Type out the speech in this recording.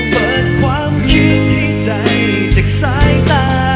เปิดความคิดให้ใจจากสายตา